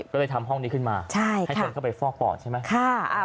ก็เลยทำห้องนี้ขึ้นมาให้คนเข้าไปฟอกปอดใช่ไหม